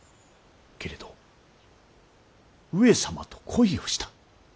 けれど「上様と恋をした」。